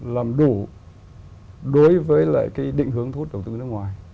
làm đủ đối với lại cái định hướng thu hút đầu tư nước ngoài